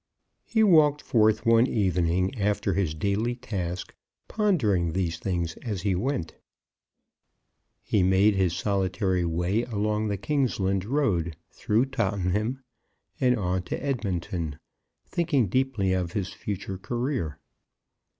He walked forth one evening, after his daily task, pondering these things as he went. He made his solitary way along the Kingsland Road, through Tottenham, and on to Edmonton, thinking deeply of his future career.